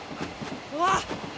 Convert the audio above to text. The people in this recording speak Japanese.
うわっ！